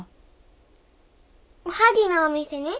おはぎのお店に？